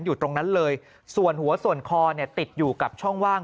อยู่ตรงนั้นเลยส่วนหัวส่วนคอเนี่ยติดอยู่กับช่องว่าง